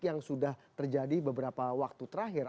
yang sudah terjadi beberapa waktu terakhir